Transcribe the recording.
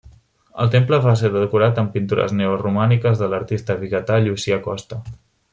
El temple va ser decorat amb pintures neoromàniques de l’artista vigatà Llucià Costa.